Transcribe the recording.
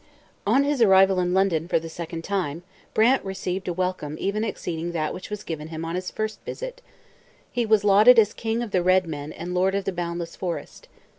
On his arrival in London for the second time, Brant received a welcome even exceeding that which was given him on his first visit. He was lauded as king of the red men and lord of the boundless forest.